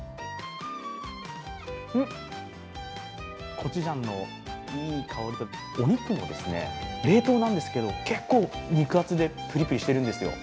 コチュジャンのいい香りとお肉も冷凍なんですけど結構肉厚でプリプリしてるんですよ。